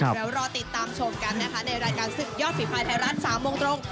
เดี๋ยวรอติดตามชมกันนะคะในรายการศึกยอดฝีภายไทยรัฐ๓โมงตรง